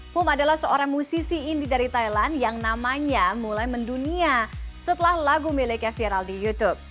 pum adalah seorang musisi indi dari thailand yang namanya mulai mendunia setelah lagu miliknya viral di youtube